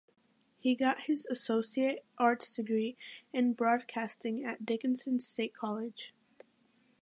He got his Associate Arts degree in broadcasting at Dickinson State College.